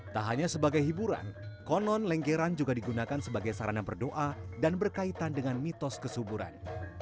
tak hanya sebagai hiburan konon lenggeran juga digunakan sebagai sarana berdoa dan berkaitan dengan mitos kesuburan